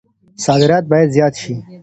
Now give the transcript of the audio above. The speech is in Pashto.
صادرات بايد زيات سي.